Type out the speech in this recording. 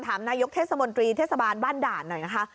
นายกเทศมนตรีเทศบาลบ้านด่านหน่อยนะคะ